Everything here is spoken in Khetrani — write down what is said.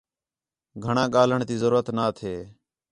گھݨاں ڳاھلݨ تی ضرورت نا تھے